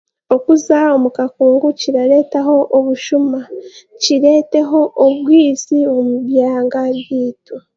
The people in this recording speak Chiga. Okuza omu kakungu kirareetaho obushuma kireeteho obwisi omu byanga byaitu